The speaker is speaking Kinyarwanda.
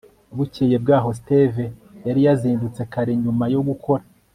bukeye bwaho, steve yari yazindutse kare. nyuma yo gukora